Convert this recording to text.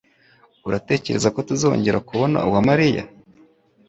Uratekereza ko tuzongera kubona Uwamariya?